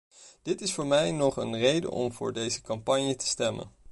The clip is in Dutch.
Dit is voor mij nog een reden om voor deze campagne te stemmen.